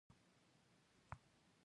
ملغلرې په صدف کې جوړیږي